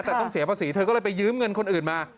แต่ต้องเสียภาษีเธอก็เลยไปยืมเงินคนอื่นมา